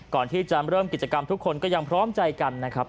ก่อนที่จะเริ่มกิจกรรมทุกคนก็ยังพร้อมใจกันนะครับ